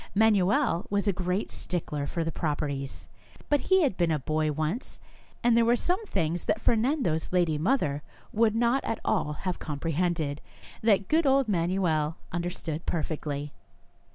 Manuel was a great stickler for the proprieties, but he had been a boy once, and there were 16 Our Little Spanish Cousin some things that Fernando's lady mother would not at all have comprehended, that good old Manuel understocd perfectly.